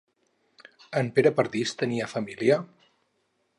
En Pere Perdis tenia família?